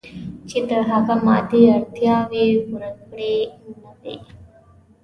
چې د هغه مادي اړتیاوې پوره کړې نه وي.